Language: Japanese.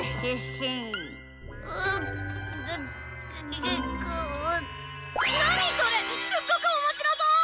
すっごくおもしろそう！